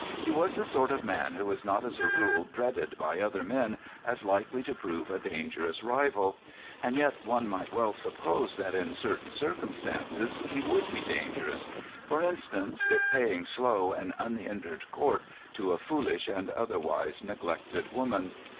He was the sort of man who is not as a rule dreaded by other men as likely to prove a dangerous rival; and yet one might well suppose that in certain circumstances he would be dangerous—for instance, if paying slow and unhindered court to a foolish and otherwise neglected woman.